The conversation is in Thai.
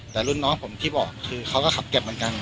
แต่รุ่นน้องผมที่บอกคือเขาก็ขับเก็บเหมือนกัน